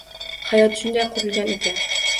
Hayot shunday qurilgan ekan.